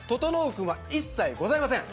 君は一切ございません。